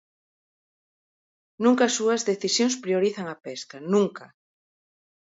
Nunca as súas decisións priorizan a pesca, ¡nunca!